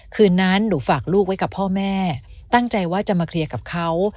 คืนนั้นหนูฝากลูกไว้กับพ่อแม่ตั้งใจว่าจะมาเคลียร์กับเขา